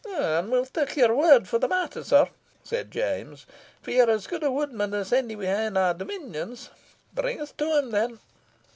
"And we'll tak your word for the matter, sir," said James; "for ye're as gude a woodman as any we hae in our dominions. Bring us to him, then."